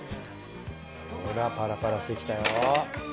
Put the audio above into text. ほらパラパラしてきたよ。